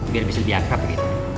biar bisa lebih akrab gitu